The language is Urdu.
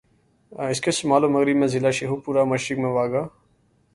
اسکے شمال اور مغرب میں ضلع شیخوپورہ، مشرق میں واہگہ